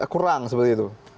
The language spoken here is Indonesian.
kurang seperti itu